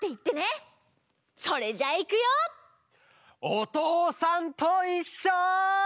「おとうさんといっしょ」！